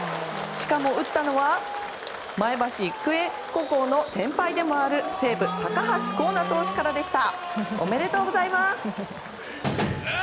しかも、打ったのは前橋育英高校の先輩でもある西武、高橋光成選手からでした。